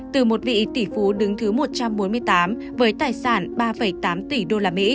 từ một vị tỷ phú đứng thứ một trăm bốn mươi tám với tài sản ba tám tỷ usd